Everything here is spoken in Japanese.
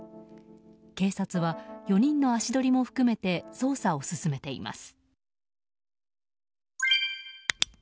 警察は、４人の足取りも含めて捜査を進めています。